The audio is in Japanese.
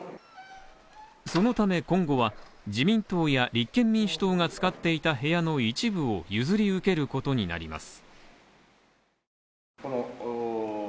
そのため今後は、自民党や立憲民主党が使っていた部屋の一部を譲り受けることになります。